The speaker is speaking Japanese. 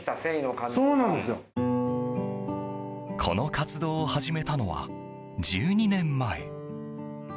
この活動を始めたのは１２年前。